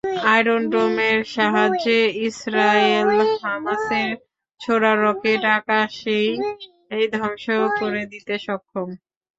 Iron ডোমের সাহায্যে Israel হামাসের ছোড়া রকেট আকাশেই ধ্বংস করে দিতে সক্ষম।